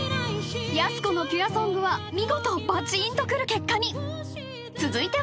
［やす子のピュアソングは見事バチーンとくる結果に］